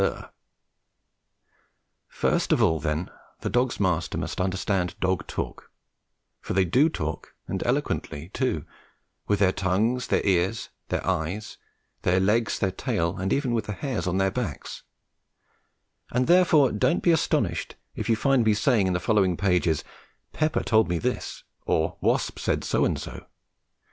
First of all, then, the dog's master must understand dog talk; for they do talk, and eloquently too, with their tongues, their ears, their eyes, their legs, their tail, and even with the hairs on their backs; and therefore don't be astonished if you find me saying in the following pages, "Pepper told me this," or "Wasp said so and so."